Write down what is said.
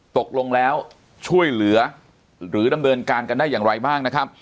ตกลงแล้วช่วยเหลือหรือดำเนินการกันได้อย่างไรบ้างนะครับ